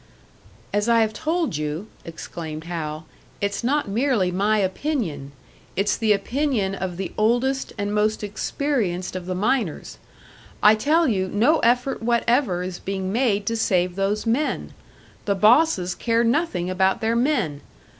"As I have told you," exclaimed Hal, "it's not merely my opinion; it's the opinion of the oldest and most experienced of the miners. I tell you no effort whatever is being made to save those men! The bosses care nothing about their men!